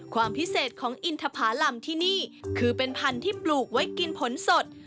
ความพิเศษของอินทภารำที่นี่คือเป็นพันธุ์ที่ปลูกไว้กินผลสด